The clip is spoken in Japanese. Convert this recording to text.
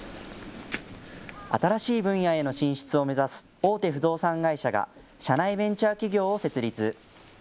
新しい分野への進出を目指す大手不動産会社が、社内ベンチャー企業を設立。